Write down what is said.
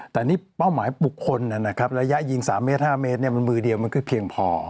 แต่นี่เป้าหมายบุคคลนะครับระยะยิง๓เมตร๕เมตรมันมือเดียวมันก็เพียงพอ